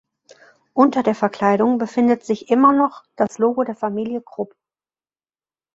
Unter der Verkleidung befindet sich immer noch das Logo der Familie Krupp.